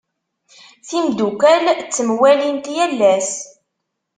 Timdukal ttemwallint yal ass.